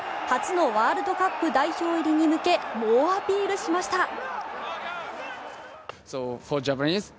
初のワールドカップ代表入りに向け猛アピールしました。